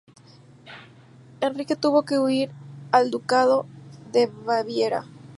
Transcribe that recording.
Enrique tuvo que huir al ducado de Baviera.